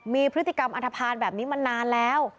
มีพฤติกรรมอันทภาณแบบนี้มานานแล้ว